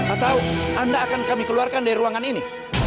atau anda akan kami keluarkan dari ruangan ini